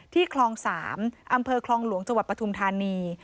คลอง๓อำเภอคลองหลวงจังหวัดปฐุมธานี